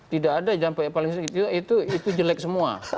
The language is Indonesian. tidak ada dampak yang paling sedikit itu jelek semua